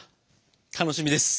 楽しみです。